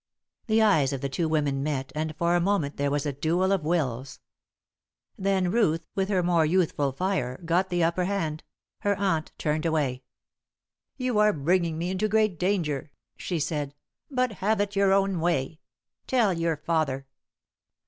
The eyes of the two women met, and for a moment there was a duel of wills. Then Ruth, with her more youthful fire, got the upper hand; her aunt turned away. "You are bringing me into great danger," she said; "but have it your own way. Tell your father."